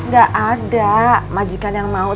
gak ada majikan yang malas itu kan